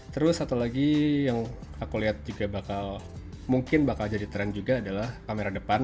terus satu lagi yang aku lihat juga bakal mungkin bakal jadi tren juga adalah kamera depan